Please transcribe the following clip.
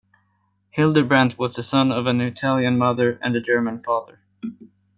Hildebrandt was the son of an Italian mother and a German father.